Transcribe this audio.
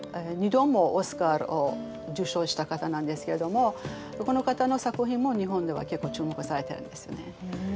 ２度もオスカーを受賞した方なんですけれどもこの方の作品も日本では結構注目されてるんですね。